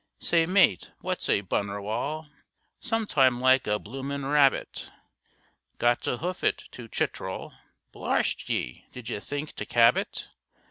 "Say, mate, what's a Bunerwal?" "Sometime like a bloomin' rabbit." "Got to hoof it to Chitral!" "Blarst ye, did ye think to cab it!"